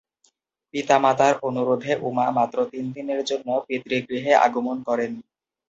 পিতা-মাতার অনুরোধে উমা মাত্র তিনদিনের জন্য পিতৃগৃহে আগমন করেন।